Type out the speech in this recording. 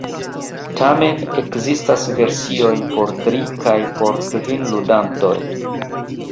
Tamen, ekzistas versioj por tri kaj por kvin ludantoj.